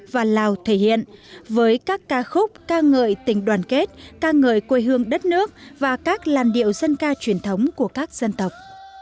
v v với các ca khúc ca ngợi tình đoàn kết ca ngợi quê hương đất nước và các làn điệu dân ca truyền thống của các dân tộc